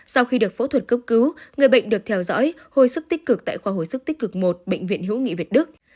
sau khi được phẫu thuật cấp cứu người bệnh được theo dõi hồi sức tích cực tại khoa hồi sức tích cực một bệnh viện hữu nghị việt đức